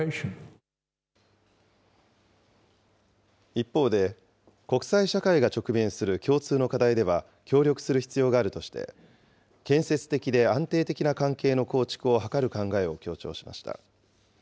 一方で、国際社会が直面する共通の課題では協力する必要があるとして、建設的で安定的な関係の構築を図る考えを強調しました。